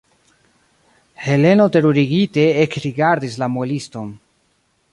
Heleno terurigite ekrigardis la mueliston.